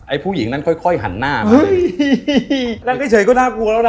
ผู้หญิงนั้นค่อยค่อยหันหน้าไปนั่งเฉยก็น่ากลัวแล้วนะ